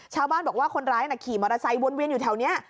ชาวบ้านบอกว่าคนร้ายขี่มอเตอร์ไซค์วนเวียนอยู่แถวนี้